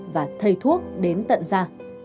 và thay thuốc đến tận ra